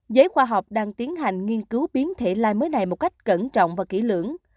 giới khoa học đang tiến hành nghiên cứu biến thể lai mới này một cách cẩn trọng và kỹ lưỡng